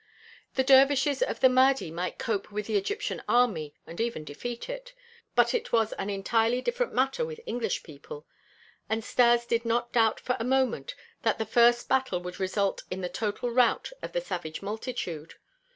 The dervishes of the Mahdi might cope with the Egyptian army and even defeat it, but it was an entirely different matter with English people, and Stas did not doubt for a moment that the first battle would result in the total rout of the savage multitude.